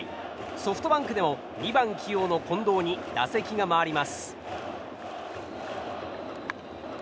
ソフトバンクでも２番起用の近藤に打席が回ります。